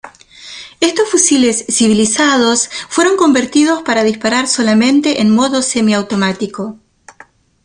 Estos fusiles "civilizados" fueron convertidos para disparar solamente en modo semiautomático.